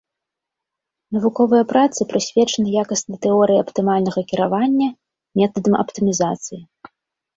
Навуковыя працы прысвечаны якаснай тэорыі аптымальнага кіравання, метадам аптымізацыі.